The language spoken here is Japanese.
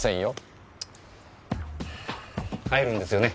ふぅ入るんですよね？